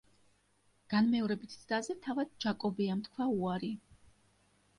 განმეორებით ცდაზე თავად ჯაკობიამ თქვა უარი.